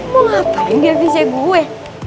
mau ngapain dia visi gue